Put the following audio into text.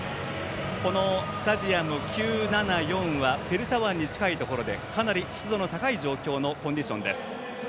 このスタジアム９７４はペルシャ湾に近いところでかなり湿度の高い状況のコンディションです。